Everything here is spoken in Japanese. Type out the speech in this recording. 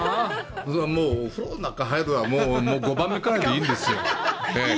それはもう、お風呂なんか入るのは５番目くらいでいいんですよ。